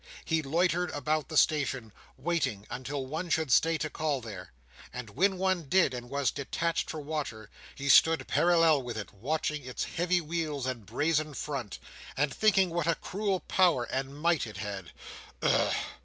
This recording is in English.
He loitered about the station, waiting until one should stay to call there; and when one did, and was detached for water, he stood parallel with it, watching its heavy wheels and brazen front, and thinking what a cruel power and might it had. Ugh!